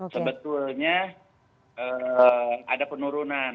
sebetulnya ada penurunan